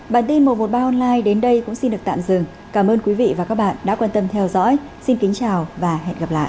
bản tin một trăm một mươi ba online đến đây cũng xin được tạm dừng cảm ơn quý vị và các bạn đã quan tâm theo dõi xin kính chào và hẹn gặp lại